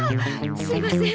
すみません